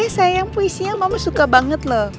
makasih ya sayang puisinya mama suka banget loh